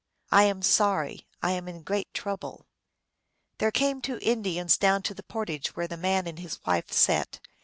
I am sorry, I am hi great trouble. There came two Indians down to the portage where the man and his wife sat.